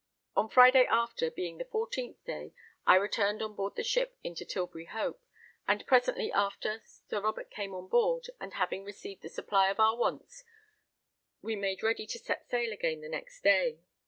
On Friday after, being the 14th day, I returned on board the ship into Tilbury Hope, and presently after Sir Robert came on board, and having received the supply of our wants, we made ready to set sail again the next day.